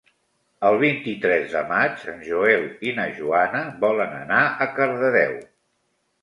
El vint-i-tres de maig en Joel i na Joana volen anar a Cardedeu.